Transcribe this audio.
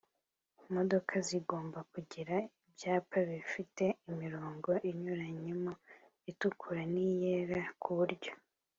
modoka zigomba kugira ibyapa bifite imirongo inyuranyemo itukura n iyera ku buryo